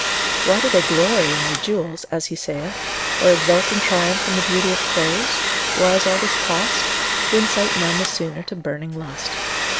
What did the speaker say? Why do they glory in their jewels (as he saith) or exult and triumph in the beauty of clothes? why is all this cost? to incite men the sooner to burning lust.